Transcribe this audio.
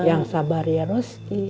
yang sabar ya maeros